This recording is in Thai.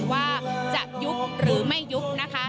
ว่าจะยุบหรือไม่ยุบนะคะ